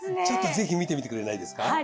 ちょっとぜひ見てみてくれないですか。